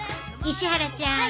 石原ちゃん